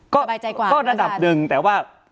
ก็คือระดับหนึ่งแฟนแต่ว่า